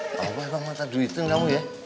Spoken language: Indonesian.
kamu emang mata duitnya kamu ya